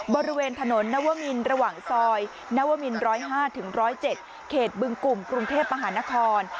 บริเวณถนนนวมินระหว่างซอยนวมิน๑๐๕๑๐๗เขตบึงกลุ่มกรุงเทพมหานคร